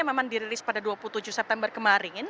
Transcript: memang dirilis pada dua puluh tujuh september kemarin